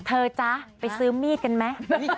จ๊ะไปซื้อมีดกันไหม